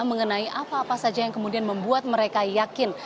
mengenai apa apa saja yang kemudian membuat mereka yakin